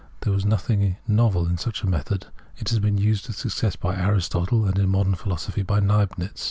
There was nothing novel in such a method. It had been used with success by Aristotle, and in modern, philosophy by Leibniz.